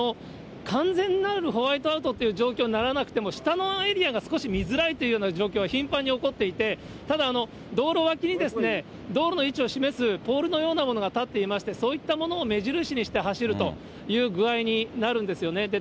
完全なるホワイトアウトって状況にならなくても、下のエリアが少し見づらいという状況は頻繁に起こっていて、ただ、道路脇に道路の位置を示すポールのようなものが立っていまして、そういったものを目印にして走るという具合になるんですよね。